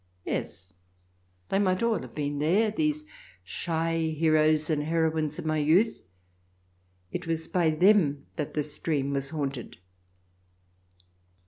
Yes ; they might all have been there — these shy heroes and heroines of my youth. It was by them that the stream was haunted.